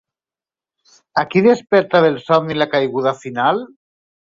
A qui desperta del somni la caiguda final?